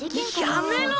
やめろ！